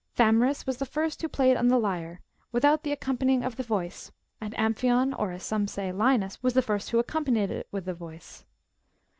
^ Tha myris was the first who played on the lyre, without the ac companiment of the voice ; and Amphion, or, as some say, Linus, was the first who accompanied it with the voice.